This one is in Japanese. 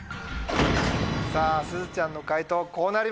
さぁすずちゃんの解答こうなりました。